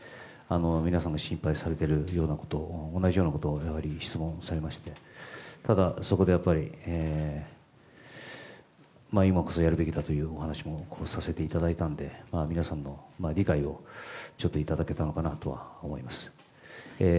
皆さんが心配されている同じようなことを質問されましてただ、そこで今こそやるべきだというお話もさせていただいたので皆さんの理解をちょっといただけたのかなとは思います。